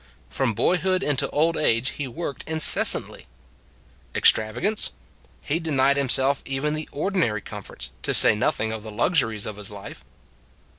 From boyhood into old age he worked incessantly. Extravagance? He denied himself even the ordinary comforts, to say nothing of the luxuries of life.